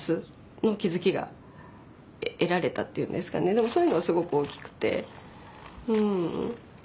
でもそういうのはすごく大きくてうん。